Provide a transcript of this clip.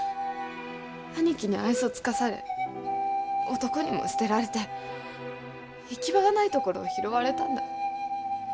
兄貴に愛想尽かされ男にも捨てられて行き場がないところを拾われたんだ。